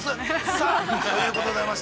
さあということでございまして。